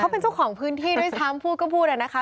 เป็นเจ้าของพื้นที่ด้วยซ้ำพูดก็พูดอะนะคะ